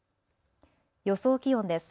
予想気温です。